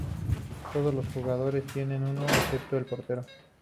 Todos los jugadores tienen uno, excepto el portero.